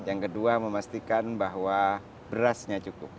yang kedua memastikan bahwa berasnya cukup